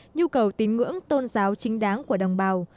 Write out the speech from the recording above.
nhu cầu tín ngưỡng tôn giáo chính đáng của đồng bào